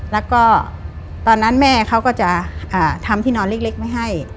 แล้วก็ตอนนั้นแม่เขาก็จะทำที่นอนเล็กไว้ให้